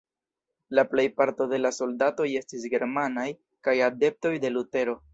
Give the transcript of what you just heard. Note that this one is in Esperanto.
La plejparto de la soldatoj estis germanaj kaj adeptoj de Lutero.